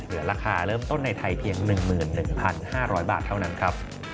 เหลือราคาเริ่มต้นในไทยเพียง๑๑๕๐๐บาทเท่านั้นครับ